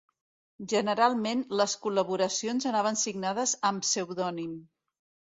Generalment les col·laboracions anaven signades amb pseudònim.